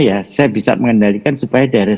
ya saya bisa mengendalikan supaya daerah